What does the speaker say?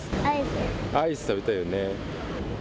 アイス食べたいよね。